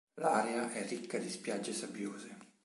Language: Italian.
L'area è ricca di spiagge sabbiose.